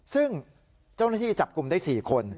ซึ่งเจ้าหน้าที่จับกลุ่มได้๔คน